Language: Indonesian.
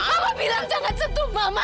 mama bilang jangan sentuh mama